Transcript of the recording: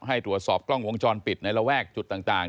ให้ตรวจสอบกล้องวงจรปิดในระแวกจุดต่าง